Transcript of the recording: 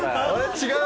違う？